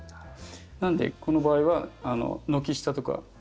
なのでこの場合は軒下とか簡易温室。